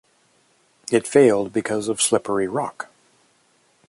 It failed because of slippery rock.